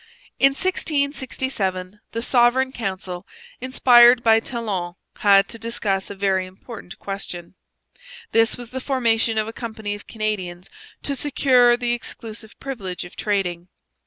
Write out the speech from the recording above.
In 1667 the Sovereign Council inspired by Talon had to discuss a very important question. This was the formation of a company of Canadians to secure the exclusive privilege of trading.